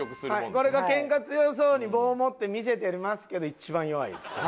これがケンカ強そうに棒を持って見せてますけど一番弱いです。